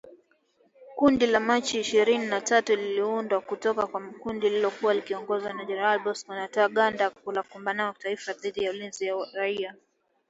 Kundi la Machi ishirini na tatu liliundwa kutoka kwa kundi lililokuwa likiongozwa na Jenerali Bosco Ntaganda, la kongamano la taifa dhidi ya ulinzi ya raia